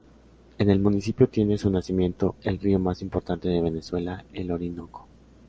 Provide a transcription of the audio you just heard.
En el municipio tiene su nacimiento el río más importante de Venezuela, el Orinoco.